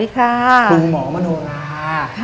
คุณหมอมโนรา